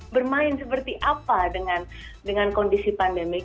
bermain seperti apa dengan kondisi pandemi